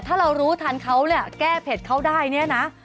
ถ้าเรารู้ทันเขาเนี่ยแก้เผ็ดเขาได้เนี่ยนะ